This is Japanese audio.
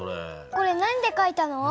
これ何でかいたの？